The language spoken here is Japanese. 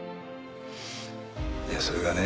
いやそれがね